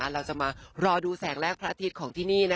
เราจะมารอดูแสงแรกพระอาทิตย์ของที่นี่